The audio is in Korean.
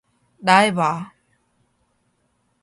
날 봐.